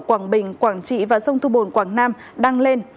quảng bình quảng trị và sông thu bồn quảng nam đang lên